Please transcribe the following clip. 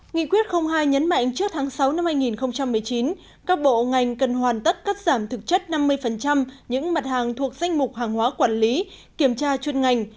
nghị quyết hai nhấn mạnh trước tháng sáu năm hai nghìn một mươi chín các bộ ngành cần hoàn tất cắt giảm thực chất năm mươi những mặt hàng thuộc danh mục hàng hóa quản lý kiểm tra chuyên ngành